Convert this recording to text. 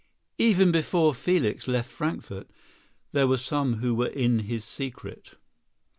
Even before Felix left Frankfort there were some who were in his secret.